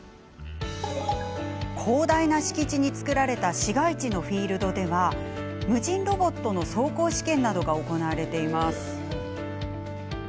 広大な敷地に造られた市街地のフィールドでは無人ロボットの走行試験などが行われています。